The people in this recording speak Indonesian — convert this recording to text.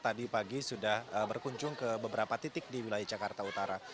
tadi pagi sudah berkunjung ke beberapa titik di wilayah jakarta utara